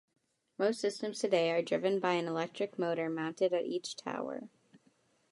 Most systems today are driven by an electric motor mounted at each tower.